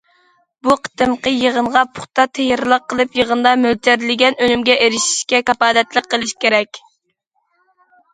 بۇ قېتىمقى يىغىنغا پۇختا تەييارلىق قىلىپ، يىغىندا مۆلچەرلىگەن ئۈنۈمگە ئېرىشىشكە كاپالەتلىك قىلىش كېرەك.